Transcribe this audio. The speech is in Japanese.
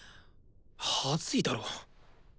はずいだろ。